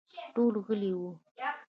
ټول غلي وو.